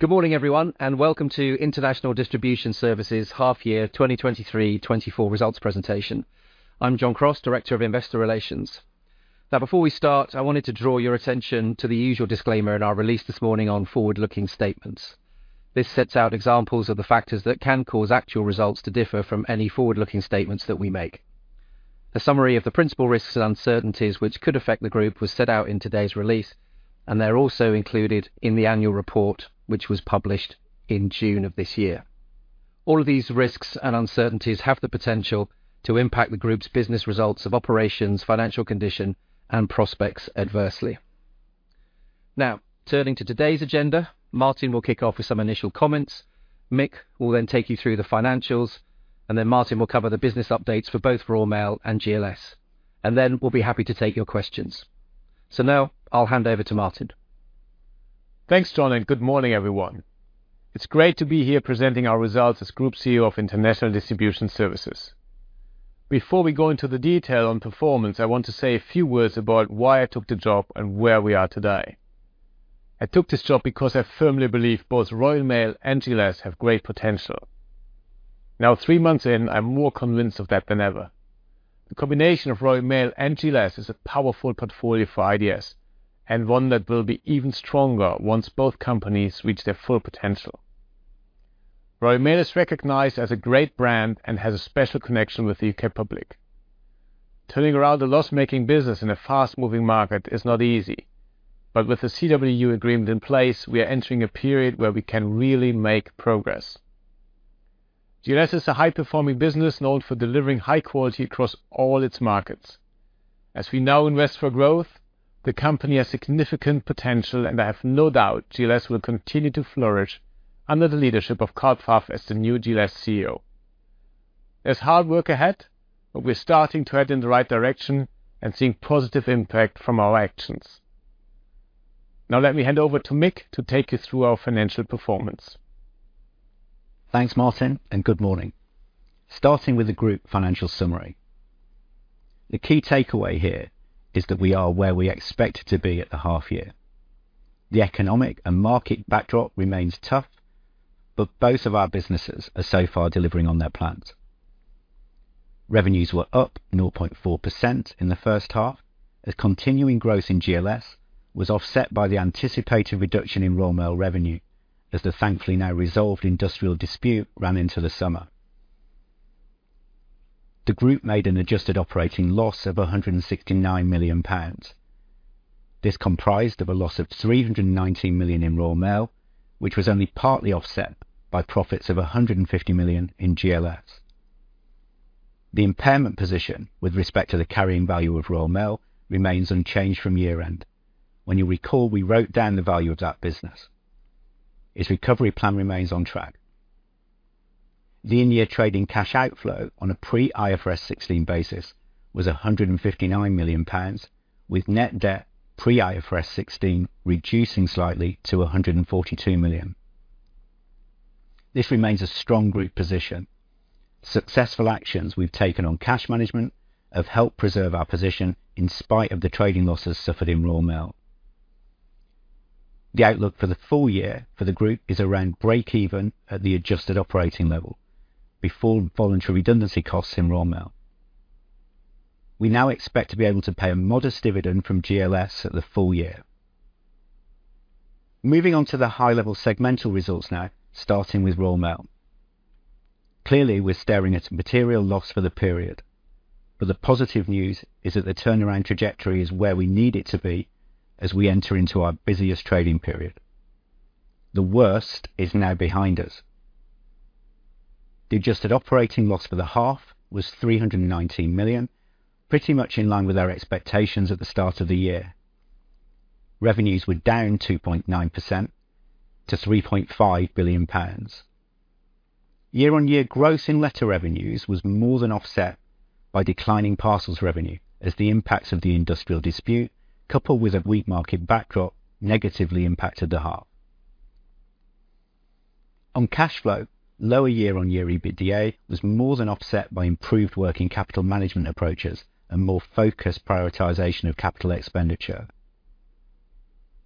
Good morning, everyone, and welcome to International Distribution Services half year 2023-2024 results presentation. I'm John Crosse, Director of Investor Relations. Now, before we start, I wanted to draw your attention to the usual disclaimer in our release this morning on forward-looking statements. This sets out examples of the factors that can cause actual results to differ from any forward-looking statements that we make. A summary of the principal risks and uncertainties which could affect the group was set out in today's release, and they're also included in the annual report, which was published in June of this year. All of these risks and uncertainties have the potential to impact the group's business results of operations, financial condition, and prospects adversely. Now, turning to today's agenda, Martin will kick off with some initial comments. Mick will then take you through the financials, and then Martin will cover the business updates for both Royal Mail and GLS. Then we'll be happy to take your questions. Now I'll hand over to Martin. Thanks, John, and good morning, everyone. It's great to be here presenting our results as Group CEO of International Distribution Services. Before we go into the detail on performance, I want to say a few words about why I took the job and where we are today. I took this job because I firmly believe both Royal Mail and GLS have great potential. Now, three months in, I'm more convinced of that than ever. The combination of Royal Mail and GLS is a powerful portfolio for IDS, and one that will be even stronger once both companies reach their full potential. Royal Mail is recognized as a great brand and has a special connection with the UK public. Turning around a loss-making business in a fast-moving market is not easy, but with the CWU agreement in place, we are entering a period where we can really make progress. GLS is a high-performing business, known for delivering high quality across all its markets. As we now invest for growth, the company has significant potential, and I have no doubt GLS will continue to flourish under the leadership of Karl Pfaff as the new GLS CEO. There's hard work ahead, but we're starting to head in the right direction and seeing positive impact from our actions. Now, let me hand over to Mick to take you through our financial performance. Thanks, Martin, and good morning. Starting with the group financial summary. The key takeaway here is that we are where we expected to be at the half year. The economic and market backdrop remains tough, but both of our businesses are so far delivering on their plans. Revenues were up 0.4% in the first half, as continuing growth in GLS was offset by the anticipated reduction in Royal Mail revenue, as the thankfully now resolved industrial dispute ran into the summer. The group made an adjusted operating loss of 169 million pounds. This comprised of a loss of 319 million in Royal Mail, which was only partly offset by profits of 150 million in GLS. The impairment position with respect to the carrying value of Royal Mail remains unchanged from year-end. When you recall, we wrote down the value of that business. Its recovery plan remains on track. The in-year trading cash outflow on a pre-IFRS 16 basis was 159 million pounds, with net debt pre-IFRS 16 reducing slightly to 142 million. This remains a strong group position. Successful actions we've taken on cash management have helped preserve our position in spite of the trading losses suffered in Royal Mail. The outlook for the full year for the group is around breakeven at the adjusted operating level before voluntary redundancy costs in Royal Mail. We now expect to be able to pay a modest dividend from GLS at the full year. Moving on to the high-level segmental results now, starting with Royal Mail. Clearly, we're staring at a material loss for the period, but the positive news is that the turnaround trajectory is where we need it to be as we enter into our busiest trading period. The worst is now behind us. The adjusted operating loss for the half was 319 million, pretty much in line with our expectations at the start of the year. Revenues were down 2.9% to GBP 3.5 billion. Year-on-year growth in letter revenues was more than offset by declining parcels revenue, as the impacts of the industrial dispute, coupled with a weak market backdrop, negatively impacted the half. On cash flow, lower year-on-year EBITDA was more than offset by improved working capital management approaches and more focused prioritization of capital expenditure.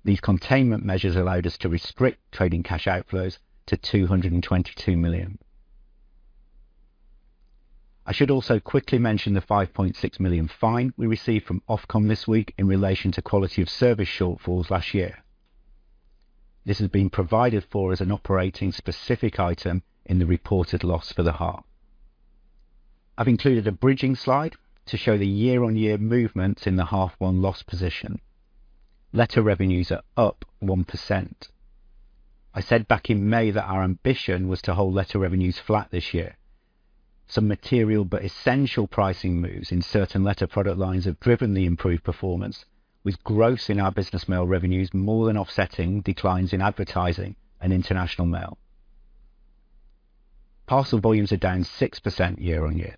These containment measures allowed us to restrict trading cash outflows to 222 million. I should also quickly mention the 5.6 million fine we received from Ofcom this week in relation to quality of service shortfalls last year. This has been provided for as an operating specific item in the reported loss for the half. I've included a bridging slide to show the year-on-year movements in the half one loss position. Letter revenues are up 1%. I said back in May that our ambition was to hold letter revenues flat this year. Some material but essential pricing moves in certain letter product lines have driven the improved performance, with growth in our business mail revenues more than offsetting declines in advertising and international mail. Parcel volumes are down 6% year-on-year.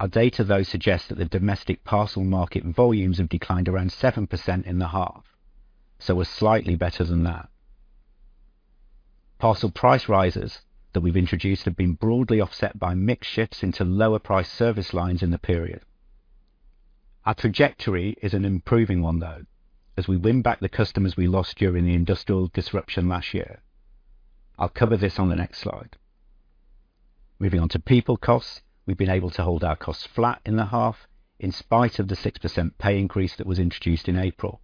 Our data, though, suggests that the domestic parcel market volumes have declined around 7% in the half, so we're slightly better than that. Parcel price rises that we've introduced have been broadly offset by mixed shifts into lower price service lines in the period. Our trajectory is an improving one, though, as we win back the customers we lost during the industrial disruption last year. I'll cover this on the next slide. Moving on to people costs. We've been able to hold our costs flat in the half, in spite of the 6% pay increase that was introduced in April.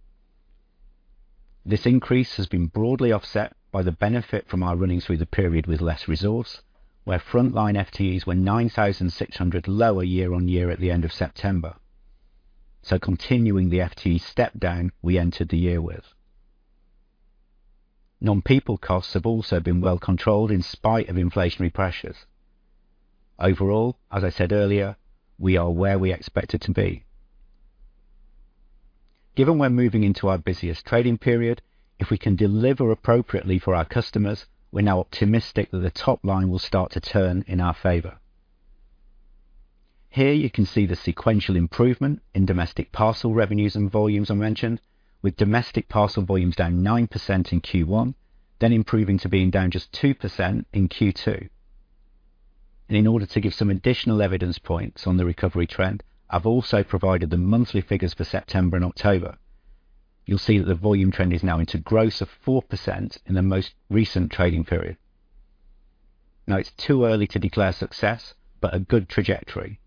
This increase has been broadly offset by the benefit from our running through the period with less resource, where frontline FTEs were 9,600 lower year-on-year at the end of September, so continuing the FTE step down we entered the year with. Non-people costs have also been well controlled in spite of inflationary pressures. Overall, as I said earlier, we are where we expected to be. Given we're moving into our busiest trading period, if we can deliver appropriately for our customers, we're now optimistic that the top line will start to turn in our favor. Here you can see the sequential improvement in domestic parcel revenues and volumes I mentioned, with domestic parcel volumes down 9% in Q1, then improving to being down just 2% in Q2. In order to give some additional evidence points on the recovery trend, I've also provided the monthly figures for September and October. You'll see that the volume trend is now into growth of 4% in the most recent trading period. Now, it's too early to declare success, but a good trajectory.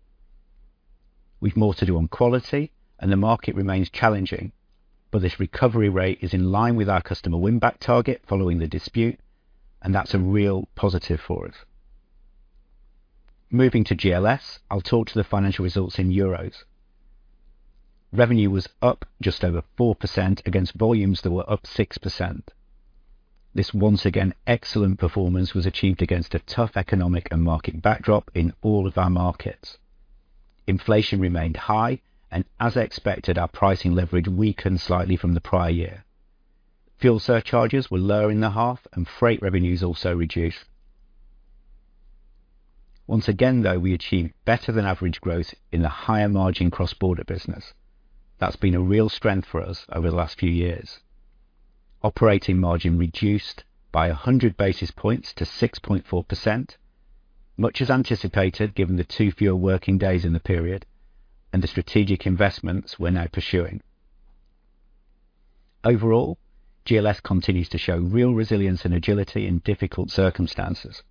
We've more to do on quality, and the market remains challenging, but this recovery rate is in line with our customer win-back target following the dispute, and that's a real positive for us. Moving to GLS, I'll talk to the financial results in euros. Revenue was up just over 4% against volumes that were up 6%. This, once again, excellent performance was achieved against a tough economic and market backdrop in all of our markets. Inflation remained high, and as expected, our pricing leverage weakened slightly from the prior year. Fuel surcharges were lower in the half, and freight revenues also reduced. Once again, though, we achieved better than average growth in the higher margin cross-border business. That's been a real strength for us over the last few years. Operating margin reduced by 100 basis points to 6.4%. Much is anticipated, given the 2 fewer working days in the period and the strategic investments we're now pursuing. Overall, GLS continues to show real resilience and agility in difficult circumstances.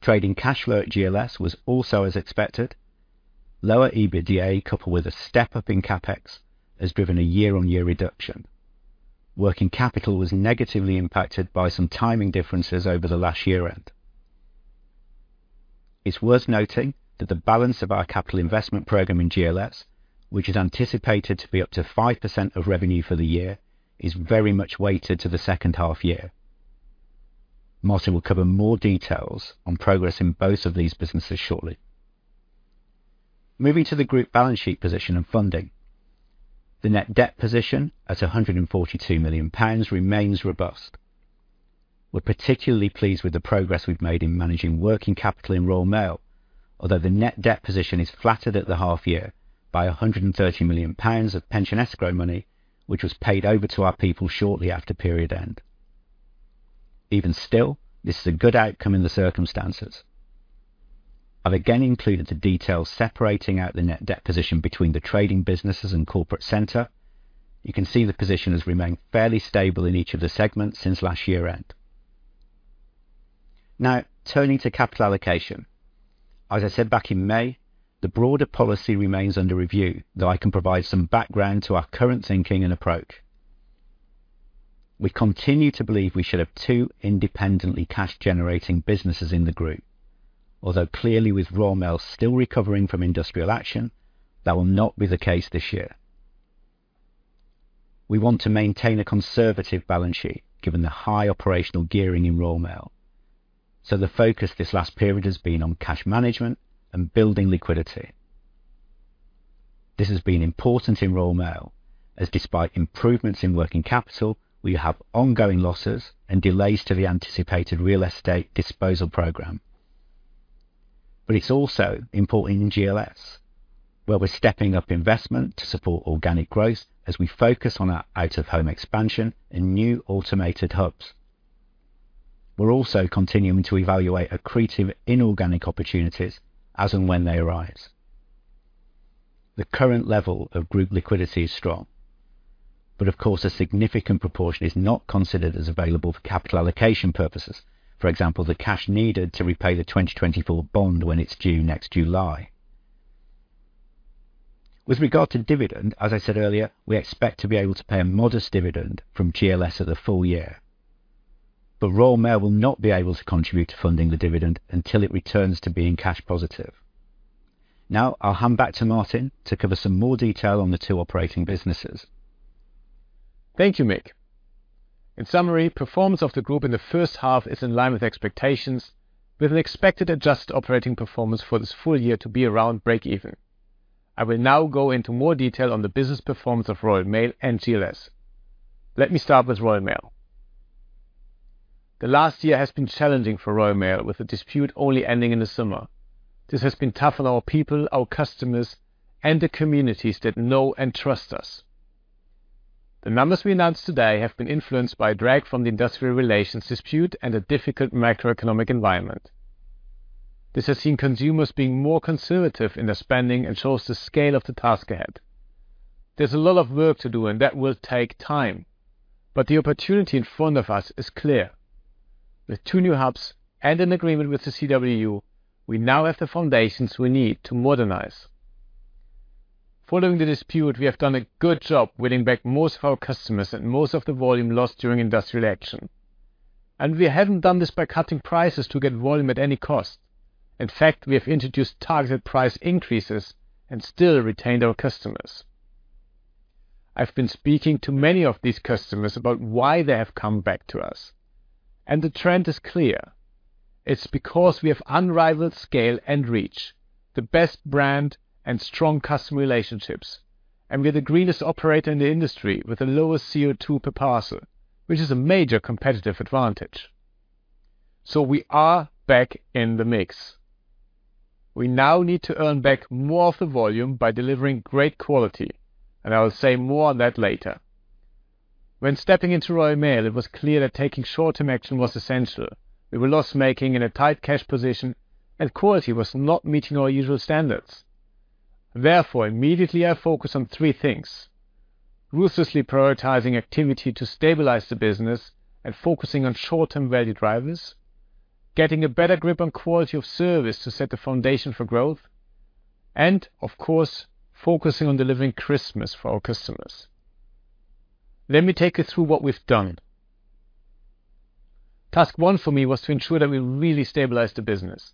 Trading cash flow at GLS was also as expected. Lower EBITDA, coupled with a step-up in CapEx, has driven a year-on-year reduction. Working capital was negatively impacted by some timing differences over the last year end. It's worth noting that the balance of our capital investment program in GLS, which is anticipated to be up to 5% of revenue for the year, is very much weighted to the second half year. Martin will cover more details on progress in both of these businesses shortly. Moving to the group balance sheet position and funding. The net debt position at 142 million pounds remains robust. We're particularly pleased with the progress we've made in managing working capital in Royal Mail, although the net debt position is flattered at the half year by 130 million pounds of pension escrow money, which was paid over to our people shortly after period end. Even still, this is a good outcome in the circumstances. I've again included the details, separating out the net debt position between the trading businesses and corporate center. You can see the position has remained fairly stable in each of the segments since last year end. Now, turning to capital allocation. As I said back in May, the broader policy remains under review, though I can provide some background to our current thinking and approach. We continue to believe we should have two independently cash-generating businesses in the group, although clearly with Royal Mail still recovering from industrial action, that will not be the case this year. We want to maintain a conservative balance sheet, given the high operational gearing in Royal Mail. The focus this last period has been on cash management and building liquidity. This has been important in Royal Mail, as despite improvements in working capital, we have ongoing losses and delays to the anticipated real estate disposal program. It's also important in GLS, where we're stepping up investment to support organic growth as we focus on our out-of-home expansion in new automated hubs. We're also continuing to evaluate accretive inorganic opportunities as and when they arise. The current level of group liquidity is strong, but of course, a significant proportion is not considered as available for capital allocation purposes. For example, the cash needed to repay the 2024 bond when it's due next July. With regard to dividend, as I said earlier, we expect to be able to pay a modest dividend from GLS of the full year. But Royal Mail will not be able to contribute to funding the dividend until it returns to being cash positive. Now, I'll hand back to Martin to cover some more detail on the two operating businesses. Thank you, Mick. In summary, performance of the group in the first half is in line with expectations, with an expected adjusted operating performance for this full year to be around breakeven. I will now go into more detail on the business performance of Royal Mail and GLS. Let me start with Royal Mail. The last year has been challenging for Royal Mail, with the dispute only ending in the summer.... This has been tough on our people, our customers, and the communities that know and trust us. The numbers we announced today have been influenced by a drag from the industrial relations dispute and a difficult macroeconomic environment. This has seen consumers being more conservative in their spending and shows the scale of the task ahead. There's a lot of work to do, and that will take time, but the opportunity in front of us is clear. With two new hubs and an agreement with the CWU, we now have the foundations we need to modernize. Following the dispute, we have done a good job winning back most of our customers and most of the volume lost during industrial action, and we haven't done this by cutting prices to get volume at any cost. In fact, we have introduced targeted price increases and still retained our customers. I've been speaking to many of these customers about why they have come back to us, and the trend is clear. It's because we have unrivaled scale and reach, the best brand, and strong customer relationships, and we're the greenest operator in the industry with the lowest CO2 per parcel, which is a major competitive advantage. So we are back in the mix. We now need to earn back more of the volume by delivering great quality, and I will say more on that later. When stepping into Royal Mail, it was clear that taking short-term action was essential. We were loss-making in a tight cash position, and quality was not meeting our usual standards. Therefore, immediately, I focused on three things: ruthlessly prioritizing activity to stabilize the business and focusing on short-term value drivers, getting a better grip on quality of service to set the foundation for growth, and of course, focusing on delivering Christmas for our customers. Let me take you through what we've done. Task one for me was to ensure that we really stabilized the business.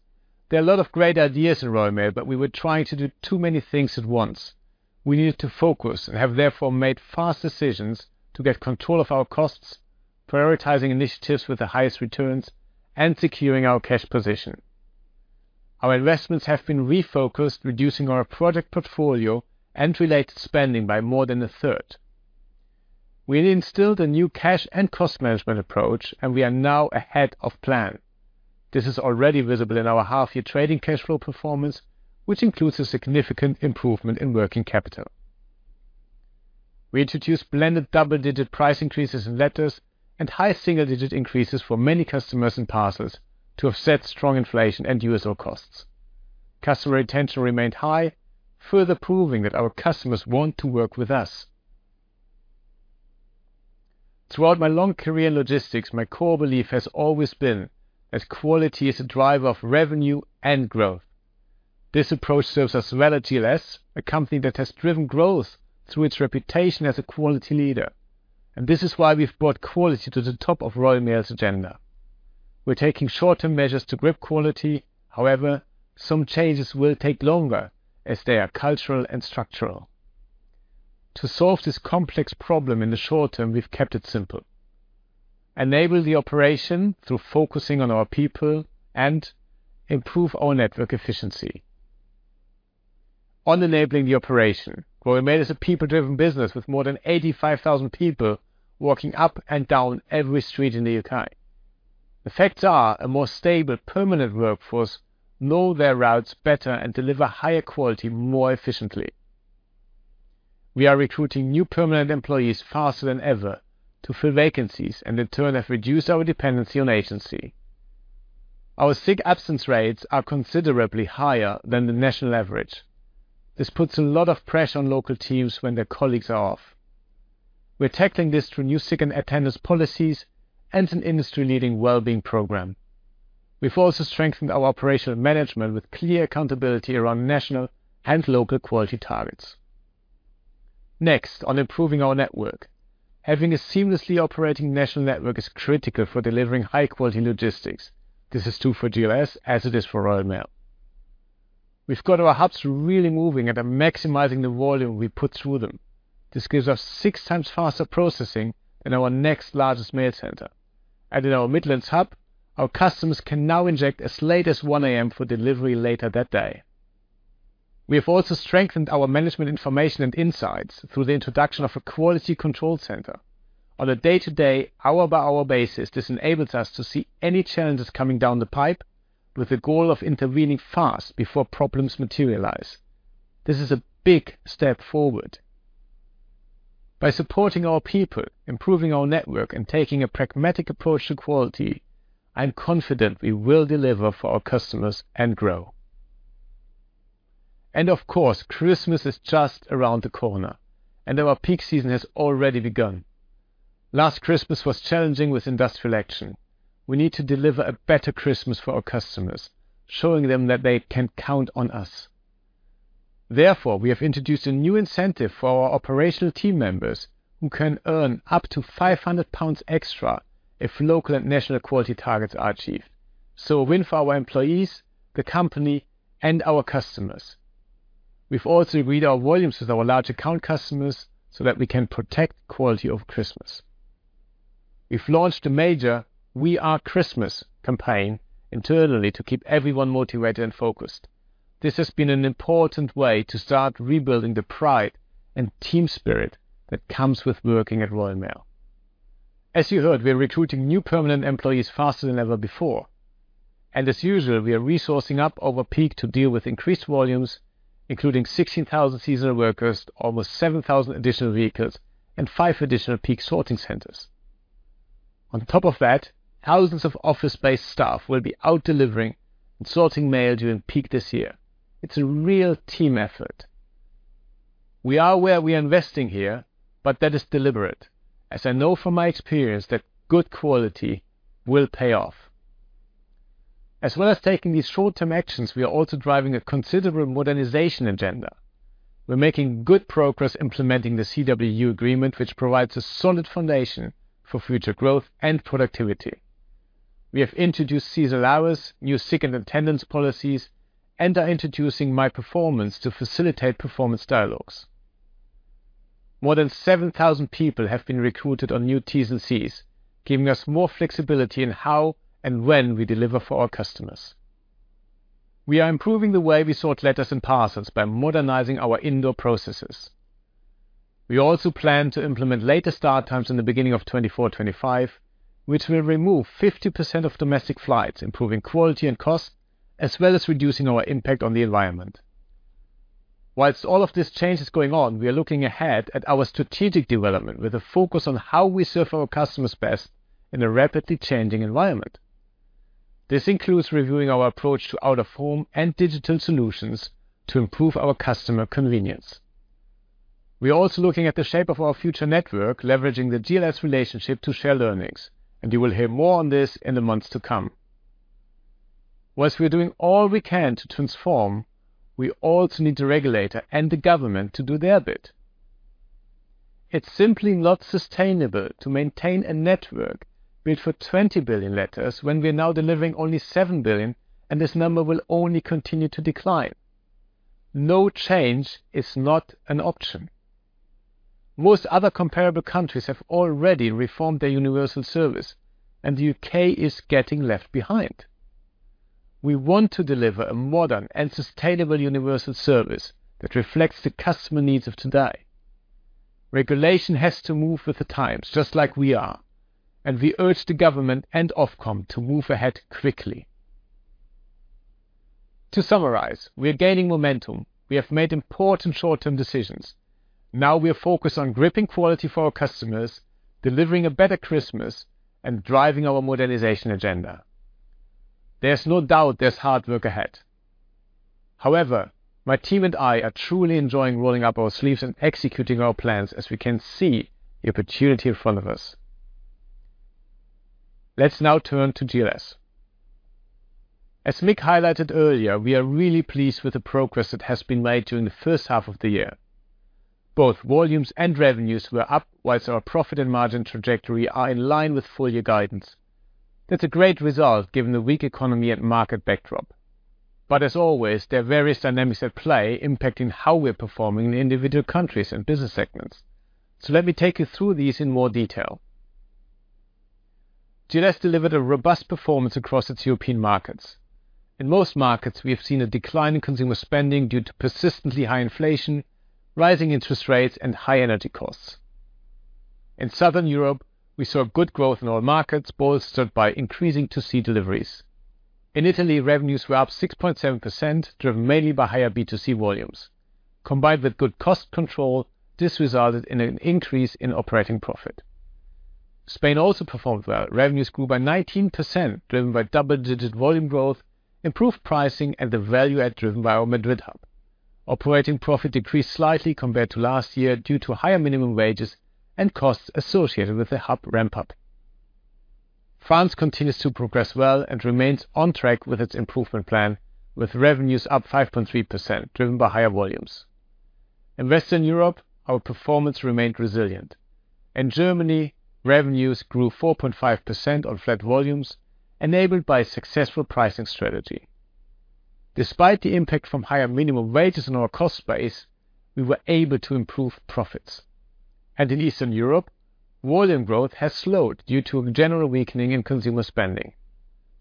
There are a lot of great ideas in Royal Mail, but we were trying to do too many things at once. We needed to focus and have therefore made fast decisions to get control of our costs, prioritizing initiatives with the highest returns, and securing our cash position. Our investments have been refocused, reducing our project portfolio and related spending by more than a third. We instilled a new cash and cost management approach, and we are now ahead of plan. This is already visible in our half-year trading cash flow performance, which includes a significant improvement in working capital. We introduced blended double-digit price increases in letters and high single-digit increases for many customers and parcels to offset strong inflation and USO costs. Customer retention remained high, further proving that our customers want to work with us. Throughout my long career in logistics, my core belief has always been that quality is a driver of revenue and growth. This approach serves us well at GLS, a company that has driven growth through its reputation as a quality leader, and this is why we've brought quality to the top of Royal Mail's agenda. We're taking short-term measures to grip quality. However, some changes will take longer as they are cultural and structural. To solve this complex problem in the short term, we've kept it simple: enable the operation through focusing on our people and improve our network efficiency. On enabling the operation, Royal Mail is a people-driven business with more than 85,000 people walking up and down every street in the U.K. The facts are a more stable, permanent workforce know their routes better and deliver higher quality more efficiently. We are recruiting new permanent employees faster than ever to fill vacancies and in turn, have reduced our dependency on agency. Our sick absence rates are considerably higher than the national average. This puts a lot of pressure on local teams when their colleagues are off. We're tackling this through new sick and attendance policies and an industry-leading well-being program. We've also strengthened our operational management with clear accountability around national and local quality targets. Next, on improving our network. Having a seamlessly operating national network is critical for delivering high-quality logistics. This is true for GLS as it is for Royal Mail. We've got our hubs really moving and are maximizing the volume we put through them. This gives us 6 times faster processing than our next largest mail center. And in our Midlands hub, our customers can now inject as late as 1:00 A.M. for delivery later that day. We have also strengthened our management information and insights through the introduction of a quality control center. On a day-to-day, hour-by-hour basis, this enables us to see any challenges coming down the pipe with the goal of intervening fast before problems materialize. This is a big step forward. By supporting our people, improving our network, and taking a pragmatic approach to quality, I'm confident we will deliver for our customers and grow. Of course, Christmas is just around the corner, and our peak season has already begun. Last Christmas was challenging with industrial action. We need to deliver a better Christmas for our customers, showing them that they can count on us. Therefore, we have introduced a new incentive for our operational team members, who can earn up to 500 pounds extra if local and national quality targets are achieved. A win for our employees, the company, and our customers. We've also agreed our volumes with our large account customers so that we can protect the quality of Christmas. We've launched a major We Are Christmas campaign internally to keep everyone motivated and focused. This has been an important way to start rebuilding the pride and team spirit that comes with working at Royal Mail.... As you heard, we are recruiting new permanent employees faster than ever before. As usual, we are resourcing up over peak to deal with increased volumes, including 16,000 seasonal workers, almost 7,000 additional vehicles, and 5 additional peak sorting centers. On top of that, thousands of office-based staff will be out delivering and sorting mail during peak this year. It's a real team effort. We are aware we are investing here, but that is deliberate, as I know from my experience that good quality will pay off. As well as taking these short-term actions, we are also driving a considerable modernization agenda. We're making good progress implementing the CWU agreement, which provides a solid foundation for future growth and productivity. We have introduced seasonal hours, new sick and attendance policies, and are introducing My Performance to facilitate performance dialogues. More than 7,000 people have been recruited on new T's and C's, giving us more flexibility in how and when we deliver for our customers. We are improving the way we sort letters and parcels by modernizing our indoor processes. We also plan to implement later start times in the beginning of 2024-2025, which will remove 50% of domestic flights, improving quality and cost, as well as reducing our impact on the environment. While all of this change is going on, we are looking ahead at our strategic development with a focus on how we serve our customers best in a rapidly changing environment. This includes reviewing our approach to out-of-home and digital solutions to improve our customer convenience. We are also looking at the shape of our future network, leveraging the GLS relationship to share learnings, and you will hear more on this in the months to come. While we are doing all we can to transform, we also need the regulator and the government to do their bit. It's simply not sustainable to maintain a network built for 20 billion letters, when we are now delivering only 7 billion, and this number will only continue to decline. No change is not an option. Most other comparable countries have already reformed their universal service, and the UK is getting left behind. We want to deliver a modern and sustainable universal service that reflects the customer needs of today. Regulation has to move with the times, just like we are, and we urge the government and Ofcom to move ahead quickly. To summarize, we are gaining momentum. We have made important short-term decisions. Now we are focused on gripping quality for our customers, delivering a better Christmas, and driving our modernization agenda. There's no doubt there's hard work ahead. However, my team and I are truly enjoying rolling up our sleeves and executing our plans as we can see the opportunity in front of us. Let's now turn to GLS. As Mick highlighted earlier, we are really pleased with the progress that has been made during the first half of the year. Both volumes and revenues were up, while our profit and margin trajectory are in line with full year guidance. That's a great result, given the weak economy and market backdrop. But as always, there are various dynamics at play impacting how we're performing in individual countries and business segments. So let me take you through these in more detail. GLS delivered a robust performance across its European markets. In most markets, we have seen a decline in consumer spending due to persistently high inflation, rising interest rates, and high energy costs. In Southern Europe, we saw good growth in all markets, bolstered by increasing B2C deliveries. In Italy, revenues were up 6.7%, driven mainly by higher B2C volumes. Combined with good cost control, this resulted in an increase in operating profit. Spain also performed well. Revenues grew by 19%, driven by double-digit volume growth, improved pricing, and the value add driven by our Madrid hub. Operating profit decreased slightly compared to last year due to higher minimum wages and costs associated with the hub ramp-up. France continues to progress well and remains on track with its improvement plan, with revenues up 5.3%, driven by higher volumes. In Western Europe, our performance remained resilient. In Germany, revenues grew 4.5% on flat volumes, enabled by a successful pricing strategy. Despite the impact from higher minimum wages on our cost base, we were able to improve profits. In Eastern Europe, volume growth has slowed due to a general weakening in consumer spending.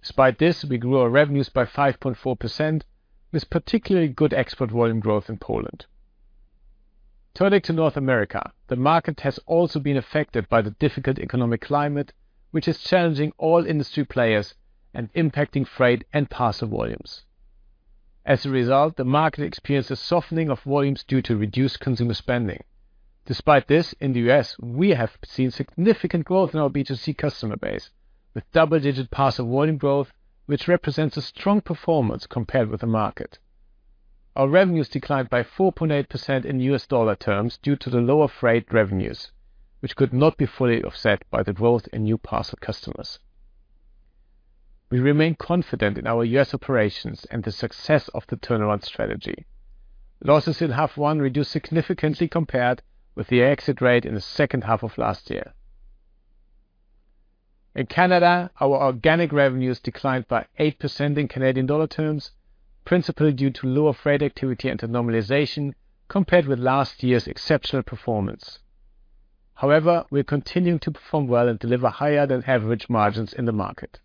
Despite this, we grew our revenues by 5.4%, with particularly good export volume growth in Poland. Turning to North America, the market has also been affected by the difficult economic climate, which is challenging all industry players and impacting freight and parcel volumes. As a result, the market experienced a softening of volumes due to reduced consumer spending. Despite this, in the U.S., we have seen significant growth in our B2C customer base, with double-digit parcel volume growth, which represents a strong performance compared with the market. Our revenues declined by 4.8% in U.S. dollar terms due to the lower freight revenues, which could not be fully offset by the growth in new parcel customers. We remain confident in our U.S. operations and the success of the turnaround strategy. Losses in half one reduced significantly compared with the exit rate in the second half of last year. In Canada, our organic revenues declined by 8% in Canadian dollar terms, principally due to lower freight activity and a normalization compared with last year's exceptional performance. However, we're continuing to perform well and deliver higher-than-average margins in the market....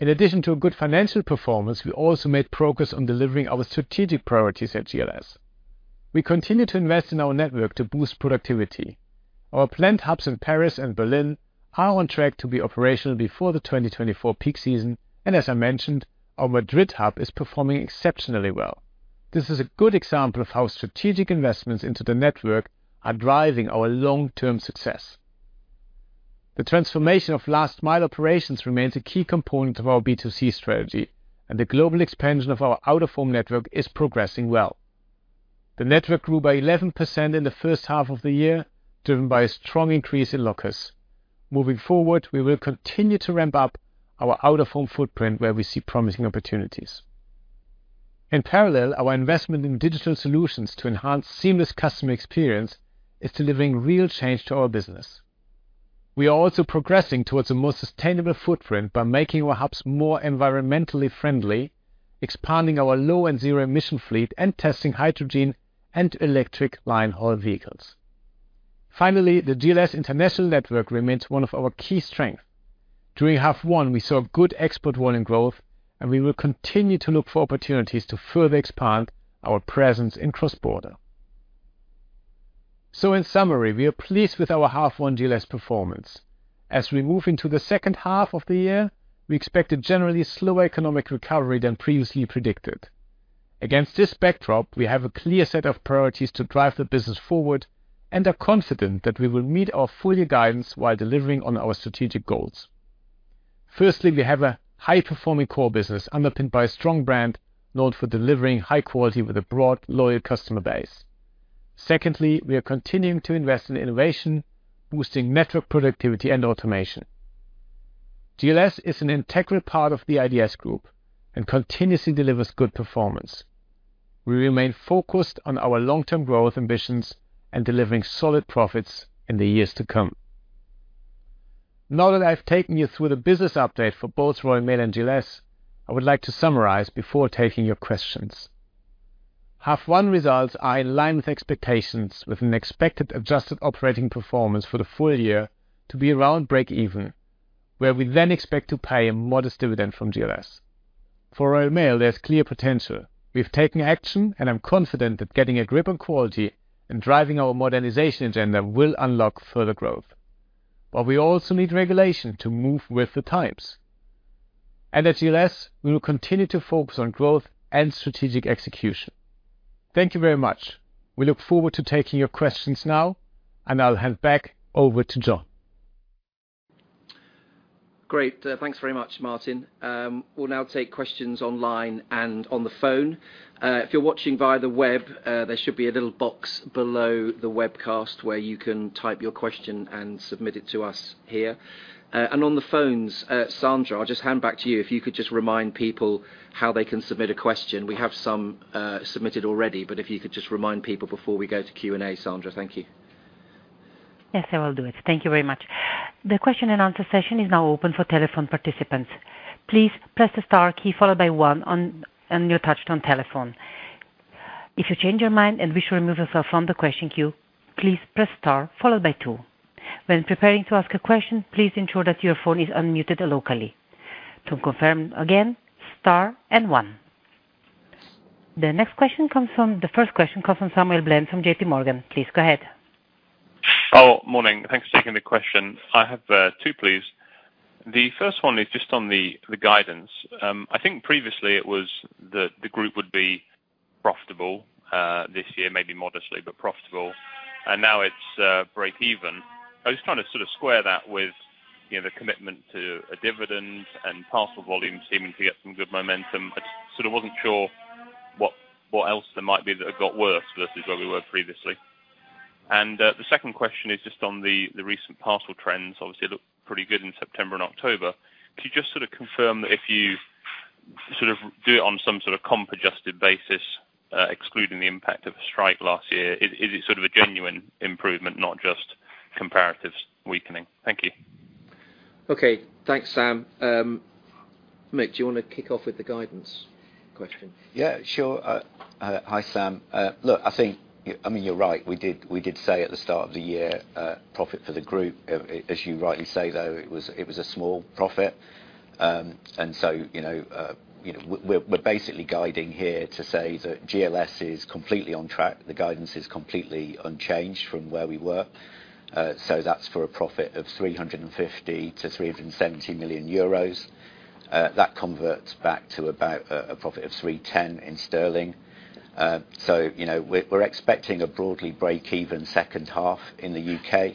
In addition to a good financial performance, we also made progress on delivering our strategic priorities at GLS. We continue to invest in our network to boost productivity. Our planned hubs in Paris and Berlin are on track to be operational before the 2024 peak season, and as I mentioned, our Madrid hub is performing exceptionally well. This is a good example of how strategic investments into the network are driving our long-term success. The transformation of last mile operations remains a key component of our B2C strategy, and the global expansion of our out-of-home network is progressing well. The network grew by 11% in the first half of the year, driven by a strong increase in lockers. Moving forward, we will continue to ramp up our out-of-home footprint where we see promising opportunities. In parallel, our investment in digital solutions to enhance seamless customer experience is delivering real change to our business. We are also progressing towards a more sustainable footprint by making our hubs more environmentally friendly, expanding our low and zero-emission fleet, and testing hydrogen and electric line haul vehicles. Finally, the GLS international network remains one of our key strengths. During half one, we saw good export volume growth, and we will continue to look for opportunities to further expand our presence in cross-border. So in summary, we are pleased with our half one GLS performance. As we move into the second half of the year, we expect a generally slower economic recovery than previously predicted. Against this backdrop, we have a clear set of priorities to drive the business forward and are confident that we will meet our full year guidance while delivering on our strategic goals. Firstly, we have a high-performing core business, underpinned by a strong brand, known for delivering high quality with a broad, loyal customer base. Secondly, we are continuing to invest in innovation, boosting network productivity and automation. GLS is an integral part of the IDS group and continuously delivers good performance. We remain focused on our long-term growth ambitions and delivering solid profits in the years to come. Now that I've taken you through the business update for both Royal Mail and GLS, I would like to summarize before taking your questions. Half one results are in line with expectations, with an expected adjusted operating performance for the full year to be around breakeven, where we then expect to pay a modest dividend from GLS. For Royal Mail, there's clear potential. We've taken action, and I'm confident that getting a grip on quality and driving our modernization agenda will unlock further growth. But we also need regulation to move with the times. And at GLS, we will continue to focus on growth and strategic execution. Thank you very much. We look forward to taking your questions now, and I'll hand back over to John. Great. Thanks very much, Martin. We'll now take questions online and on the phone. If you're watching via the web, there should be a little box below the webcast where you can type your question and submit it to us here. And on the phones, Sandra, I'll just hand back to you. If you could just remind people how they can submit a question. We have some submitted already, but if you could just remind people before we go to Q&A, Sandra. Thank you. Yes, I will do it. Thank you very much. The question and answer session is now open for telephone participants. Please press the star key followed by one on your touchtone telephone. If you change your mind and wish to remove yourself from the question queue, please press star followed by two. When preparing to ask a question, please ensure that your phone is unmuted locally. To confirm again, star and one. The first question comes from Samuel Bland from JP Morgan. Please, go ahead. Oh, morning. Thanks for taking the question. I have two, please. The first one is just on the guidance. I think previously it was that the group would be profitable this year, maybe modestly, but profitable, and now it's breakeven. I was trying to sort of square that with, you know, the commitment to a dividend and parcel volume seeming to get some good momentum. I sort of wasn't sure what else there might be that have got worse versus where we were previously. The second question is just on the recent parcel trends. Obviously, it looked pretty good in September and October. Could you just sort of confirm that if you sort of do it on some sort of comp adjusted basis, excluding the impact of the strike last year, is it sort of a genuine improvement, not just comparatives weakening? Thank you. Okay. Thanks, Sam. Mick, do you want to kick off with the guidance question? Yeah, sure. Hi, Sam. Look, I think, I mean, you're right. We did say at the start of the year, profit for the group. As you rightly say, though, it was a small profit. And so, you know, we're basically guiding here to say that GLS is completely on track. The guidance is completely unchanged from where we were. So that's for a profit of 350 million-370 million euros. That converts back to about a profit of 310 million sterling. So, you know, we're expecting a broadly breakeven second half in the UK.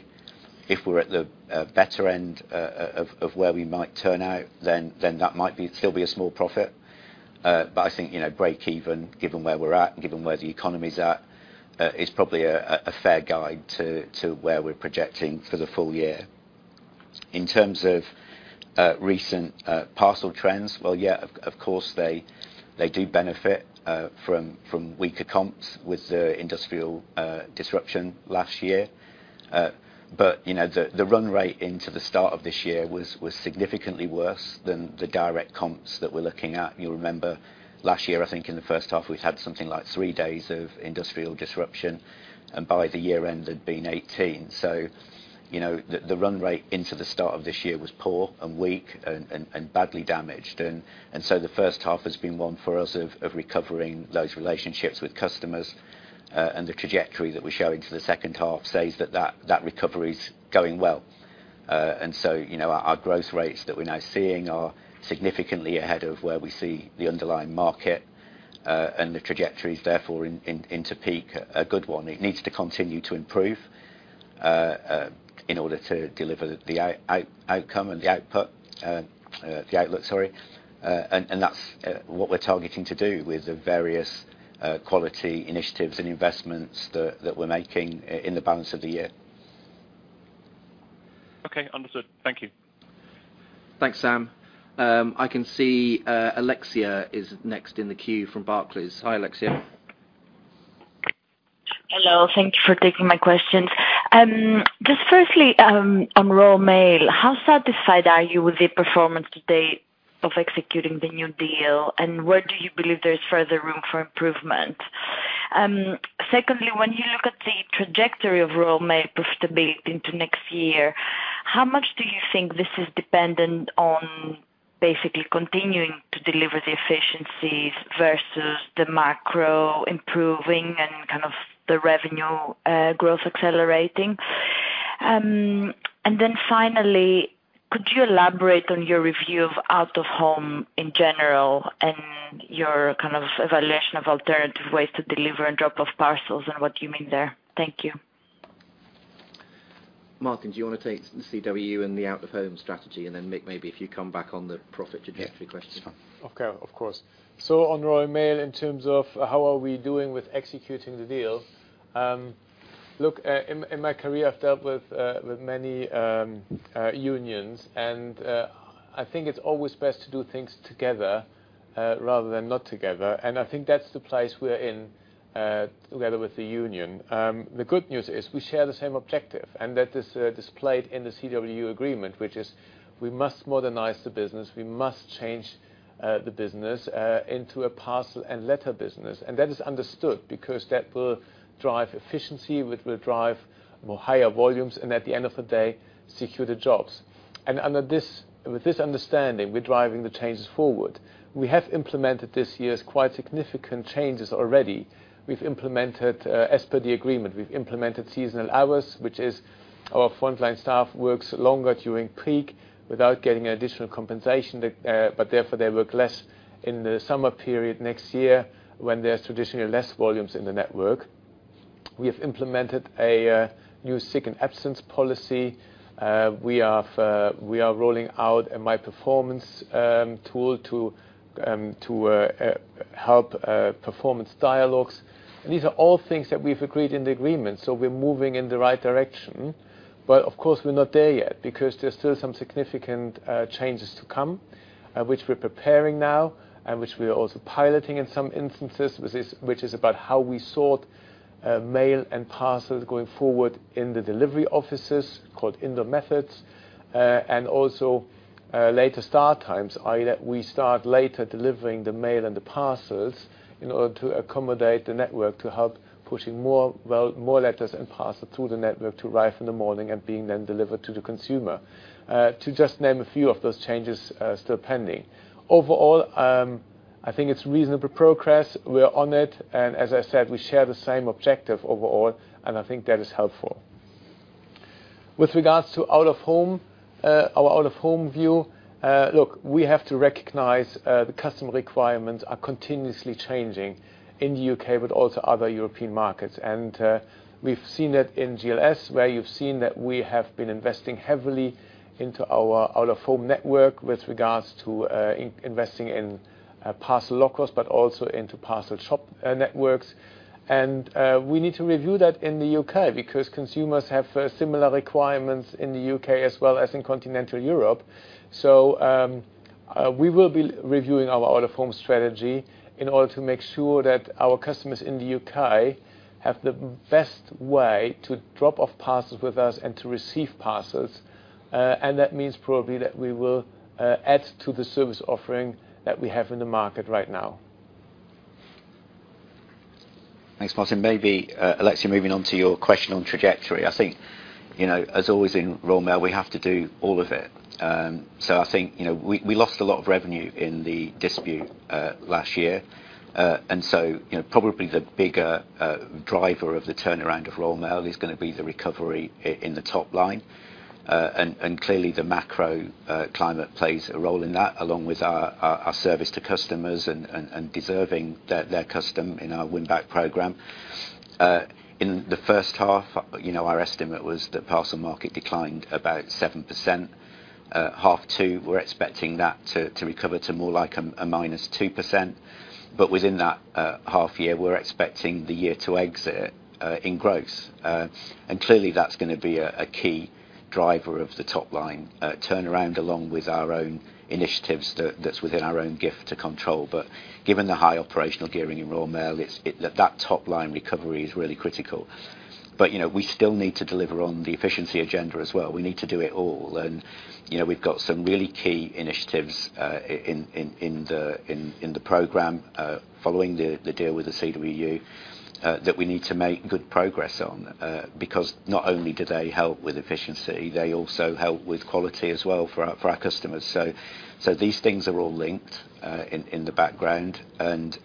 If we're at the better end of where we might turn out, then that might still be a small profit. But I think, you know, breakeven, given where we're at and given where the economy's at, is probably a fair guide to where we're projecting for the full year. In terms of recent parcel trends, well, yeah, of course, they do benefit from weaker comps with the industrial disruption last year. But, you know, the run rate into the start of this year was significantly worse than the direct comp that we're looking at. You'll remember last year, I think, in the first half, we'd had something like three days of industrial disruption, and by the year end, there'd been 18. So, you know, the run rate into the start of this year was poor and weak and badly damaged. And so the first half has been one for us of recovering those relationships with customers, and the trajectory that we're showing to the second half says that that recovery's going well. And so, you know, our growth rates that we're now seeing are significantly ahead of where we see the underlying market, and the trajectory is therefore into peak a good one. It needs to continue to improve in order to deliver the outcome and the output, the outlook, sorry. And that's what we're targeting to do with the various quality initiatives and investments that we're making in the balance of the year. Okay, understood. Thank you. Thanks, Sam. I can see, Alexia is next in the queue from Barclays. Hi, Alexia. Hello, thank you for taking my questions. Just firstly, on Royal Mail, how satisfied are you with the performance to date of executing the new deal, and where do you believe there is further room for improvement? Secondly, when you look at the trajectory of Royal Mail profitability into next year, how much do you think this is dependent on basically continuing to deliver the efficiencies versus the macro improving and kind of the revenue, growth accelerating? And then finally, could you elaborate on your review of out-of-home in general and your kind of evaluation of alternative ways to deliver and drop off parcels, and what you mean there? Thank you. Martin, do you want to take the CWU and the out-of-home strategy, and then, Mick, maybe if you come back on the profit trajectory question? Yeah. Okay, of course. So on Royal Mail, in terms of how are we doing with executing the deal, look, in my career, I've dealt with with many unions, and I think it's always best to do things together rather than not together, and I think that's the place we're in together with the union. The good news is we share the same objective, and that is displayed in the CWU agreement, which is we must modernize the business. We must change the business into a parcel and letter business, and that is understood because that will drive efficiency, which will drive more higher volumes, and at the end of the day, secure the jobs. And under this, with this understanding, we're driving the changes forward. We have implemented this year's quite significant changes already. We've implemented, as per the agreement, we've implemented seasonal hours, which is our frontline staff works longer during peak without getting additional compensation. The but therefore, they work less in the summer period next year when there's traditionally less volumes in the network. We have implemented a new sick and absence policy. We are rolling out a My Performance tool to help performance dialogues. And these are all things that we've agreed in the agreement, so we're moving in the right direction. But of course, we're not there yet because there's still some significant changes to come, which we're preparing now and which we're also piloting in some instances. Which is, which is about how we sort mail and parcels going forward in the delivery offices, called Indoor methods. and also, later start times, i.e., that we start later delivering the mail and the parcels in order to accommodate the network to help pushing more, well, more letters and parcels through the network to arrive in the morning and being then delivered to the consumer, to just name a few of those changes, still pending. Overall, I think it's reasonable progress. We're on it, and as I said, we share the same objective overall, and I think that is helpful. With regards to out-of-home, our out-of-home view, look, we have to recognize, the customer requirements are continuously changing in the UK, but also other European markets. And, we've seen it in GLS, where you've seen that we have been investing heavily into our out-of-home network with regards to investing in parcel lockers, but also into parcel shop networks. And, we need to review that in the UK because consumers have similar requirements in the UK as well as in continental Europe. So, we will be reviewing our out-of-home strategy in order to make sure that our customers in the UK have the best way to drop off parcels with us and to receive parcels. And that means probably that we will add to the service offering that we have in the market right now. Thanks, Martin. Maybe, Alexia, moving on to your question on trajectory. I think, you know, as always in Royal Mail, we have to do all of it. So I think, you know, we lost a lot of revenue in the dispute last year. And so, you know, probably the bigger driver of the turnaround of Royal Mail is gonna be the recovery in the top line. And clearly, the macro climate plays a role in that, along with our service to customers and deserving their custom in our win-back program. In the first half, you know, our estimate was that parcel market declined about 7%. Half two, we're expecting that to recover to more like a -2%. But within that half year, we're expecting the year to exit in growth. And clearly, that's gonna be a key driver of the top line turnaround, along with our own initiatives that's within our own gift to control. But given the high operational gearing in Royal Mail, that top line recovery is really critical. But, you know, we still need to deliver on the efficiency agenda as well. We need to do it all. And, you know, we've got some really key initiatives in the program following the deal with the CWU that we need to make good progress on. Because not only do they help with efficiency, they also help with quality as well for our customers. So these things are all linked in the background. And,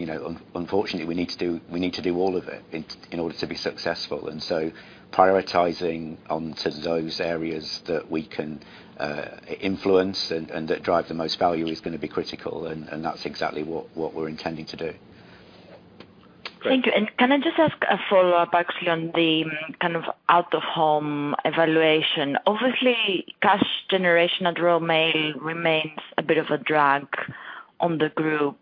you know, unfortunately, we need to do all of it in order to be successful. So prioritizing onto those areas that we can influence and that drive the most value is gonna be critical, and that's exactly what we're intending to do. Thank you. Can I just ask a follow-up, actually, on the kind of Out of Home evaluation? Obviously, cash generation at Royal Mail remains a bit of a drag on the group.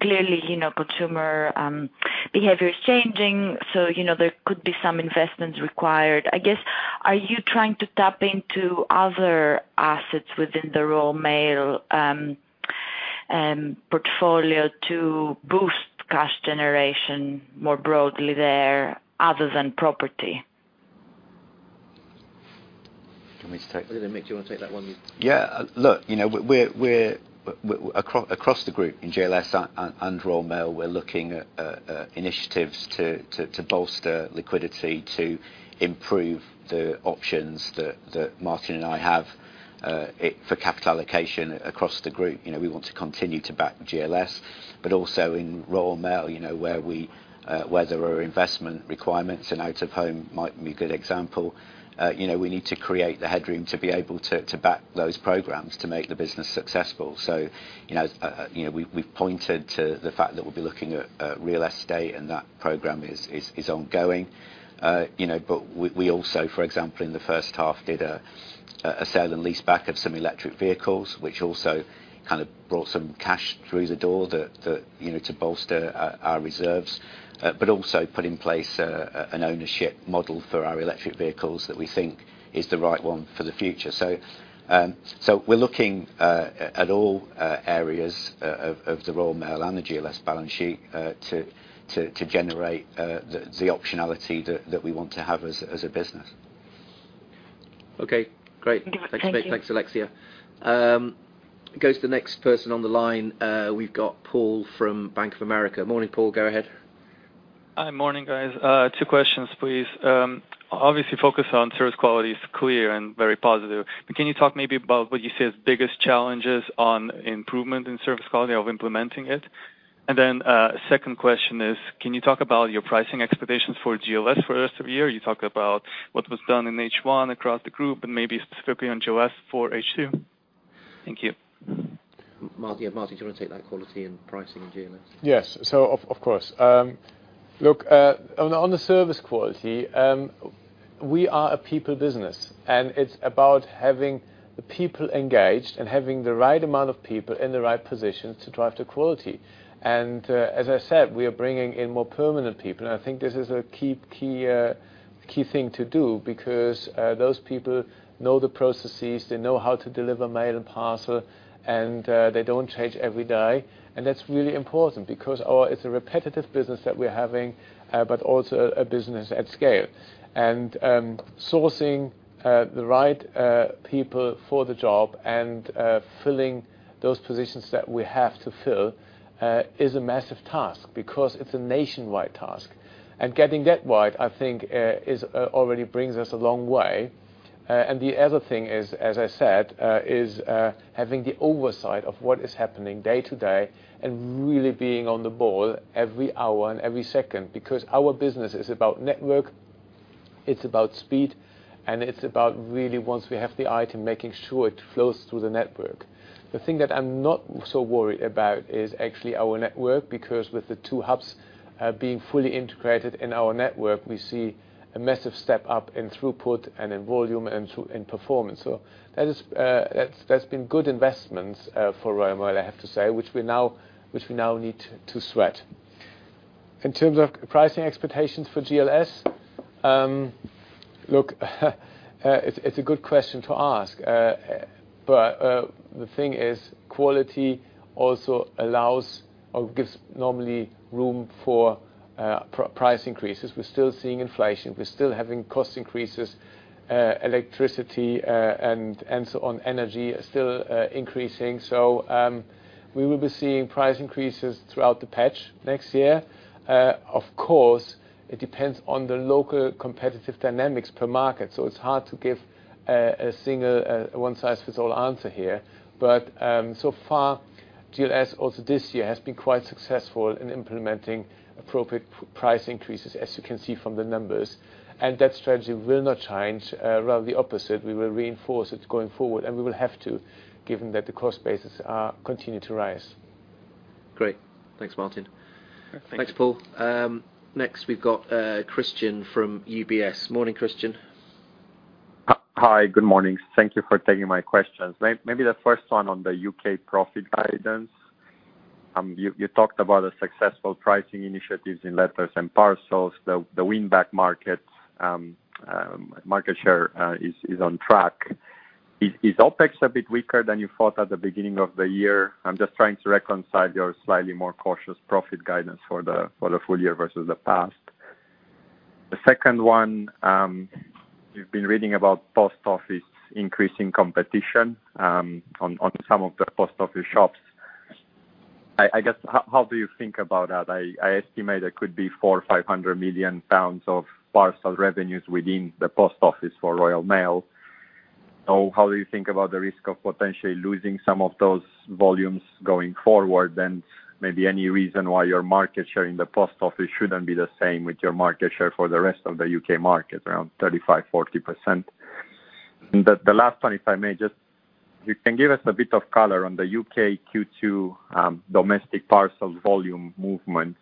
Clearly, you know, consumer behavior is changing, so, you know, there could be some investments required. I guess, are you trying to tap into other assets within the Royal Mail, portfolio to boost cash generation more broadly there, other than property? Do you want me to take? Do you wanna take that one? Yeah, look, you know, we're across the group, in GLS and Royal Mail, we're looking at initiatives to bolster liquidity, to improve the options that Martin and I have for capital allocation across the group. You know, we want to continue to back GLS, but also in Royal Mail, you know, where there are investment requirements, and out-of-home might be a good example. You know, we need to create the headroom to be able to back those programs to make the business successful. So, you know, we've pointed to the fact that we'll be looking at real estate, and that program is ongoing. You know, but we also, for example, in the first half, did a sale and leaseback of some electric vehicles, which also kind of brought some cash through the door to, you know, to bolster our reserves. But also put in place an ownership model for our electric vehicles that we think is the right one for the future. So, we're looking at all areas of the Royal Mail and the GLS balance sheet to generate the optionality that we want to have as a business. Okay, great. Thank you. Thanks, Alexia. Go to the next person on the line, we've got Paul from Bank of America. Morning, Paul, go ahead. Hi, morning, guys. Two questions, please. Obviously, focus on service quality is clear and very positive, but can you talk maybe about what you see as biggest challenges on improvement in service quality of implementing it? And then, second question is, can you talk about your pricing expectations for GLS for the rest of the year? You talked about what was done in H1 across the group, and maybe specifically on GLS for H2. Thank you. Martin, yeah, Martin, do you wanna take that quality and pricing in GLS? Yes. So, of course. Look, on the service quality, we are a people business, and it's about having the people engaged and having the right amount of people in the right positions to drive the quality. And, as I said, we are bringing in more permanent people, and I think this is a key thing to do because those people know the processes, they know how to deliver mail and parcel, and they don't change every day. And that's really important because our, it's a repetitive business that we're having, but also a business at scale. And, sourcing the right people for the job and filling those positions that we have to fill is a massive task because it's a nationwide task. Getting that wide, I think, is already brings us a long way. The other thing is, as I said, having the oversight of what is happening day to day and really being on the ball every hour and every second, because our business is about network, it's about speed, and it's about really, once we have the item, making sure it flows through the network. The thing that I'm not so worried about is actually our network, because with the two hubs being fully integrated in our network, we see a massive step up in throughput and in volume and in performance. So that is, that's been good investments for Royal Mail, I have to say, which we now need to sweat. In terms of pricing expectations for GLS, look, it's a good question to ask. But the thing is, quality also allows or gives normally room for price increases. We're still seeing inflation. We're still having cost increases, electricity, and so on, energy is still increasing. So, we will be seeing price increases throughout the patch next year. Of course, it depends on the local competitive dynamics per market, so it's hard to give a single, one-size-fits-all answer here. But so far, GLS also this year has been quite successful in implementing appropriate price increases, as you can see from the numbers. And that strategy will not change. Rather the opposite, we will reinforce it going forward, and we will have to, given that the cost bases are continuing to rise. Great. Thanks, Martin. Thank you. Thanks, Paul. Next, we've got Cristian from UBS. Morning, Cristian. Hi, good morning. Thank you for taking my questions. Maybe the first one on the UK profit guidance. You talked about the successful pricing initiatives in letters and parcels, the win-back markets, market share is on track.... Is OpEx a bit weaker than you thought at the beginning of the year? I'm just trying to reconcile your slightly more cautious profit guidance for the full year versus the past. The second one, we've been reading about Post Office increasing competition on some of the Post Office shops. I guess, how do you think about that? I estimate it could be 400 million or 500 million pounds of parcel revenues within the Post Office for Royal Mail. So how do you think about the risk of potentially losing some of those volumes going forward? And maybe any reason why your market share in the Post Office shouldn't be the same with your market share for the rest of the U.K. market, around 35%-40%. And the last one, if I may just, if you can give us a bit of color on the UK Q2 domestic parcel volume movement.